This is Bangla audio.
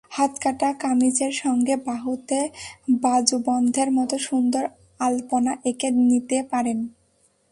হাতাকাটা কামিজের সঙ্গে বাহুতে বাজুবন্ধের মতো সুন্দর আলপনা এঁকে নিতে পারেন।